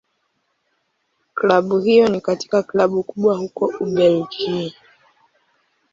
Klabu hiyo ni katika Klabu kubwa huko Ubelgiji.